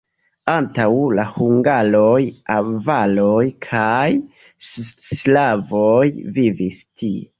Antaŭ la hungaroj avaroj kaj slavoj vivis tie.